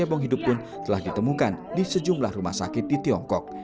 kebong hidup pun telah ditemukan di sejumlah rumah sakit di tiongkok